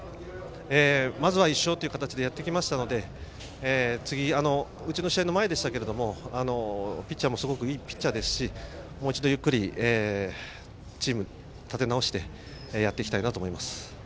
まず１勝という形でやってきましたので次、うちの試合の前でしたけどピッチャーもすごくいいピッチャーですしもう一度ゆっくりチームを立て直してやっていきたいなと思います。